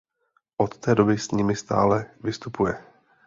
Od té doby s nimi stále vystupuje.